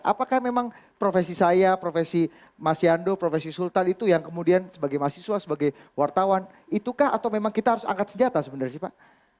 apakah memang profesi saya profesi mas yando profesi sultan itu yang kemudian sebagai mahasiswa sebagai wartawan itukah atau memang kita harus angkat senjata sebenarnya sih pak